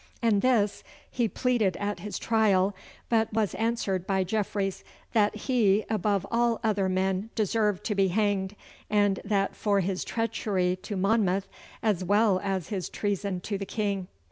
And this he pleaded at his tryal, but was answered by Jeffreys "that he above all other men deserved to be hanged, and that for his treachery to Monmouth as well as his treason to the King."